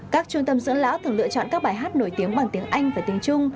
các trung tâm dưỡng lão thường lựa chọn các bài hát nổi tiếng bằng tiếng anh và tiếng trung